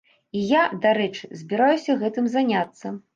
І я, дарэчы, збіраюся гэтым заняцца.